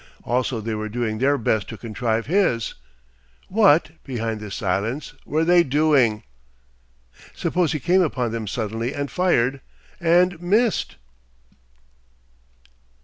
Also they were doing their best to contrive his. What, behind this silence, were they doing. Suppose he came upon them suddenly and fired, and missed?